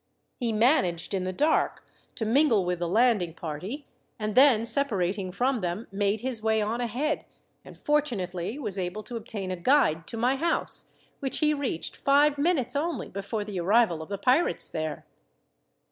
He managed, in the dark, to mingle with the landing party; and then, separating from them, made his way on ahead, and fortunately was able to obtain a guide to my house, which he reached five minutes only before the arrival of the pirates there."